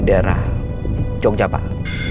daerah jogja pak